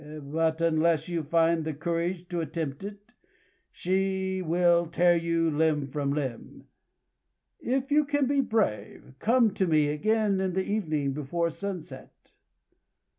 But unless you find the courage to attempt it, she will tear you limb from limb. If you can be brave, come to me again in the evening before sunset."